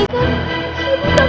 kau bukan kawan